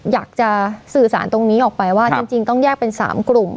อยากจะสื่อสารตรงนี้ออกไปว่าจริงต้องแยกเป็น๓กลุ่ม